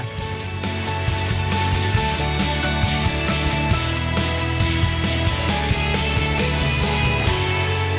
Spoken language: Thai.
ที่นี่นะ